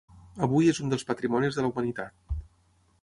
Avui és un dels patrimonis de la humanitat.